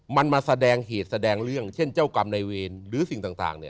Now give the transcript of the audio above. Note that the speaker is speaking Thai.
มันมาแสดงเหตุแสดงเรื่องเช่นเจ้ากรรมในเวรหรือสิ่งต่าง